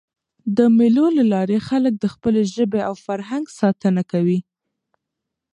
د مېلو له لاري خلک د خپلي ژبي او فرهنګ ساتنه کوي.